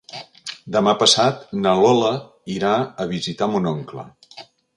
Demà passat na Lola irà a visitar mon oncle.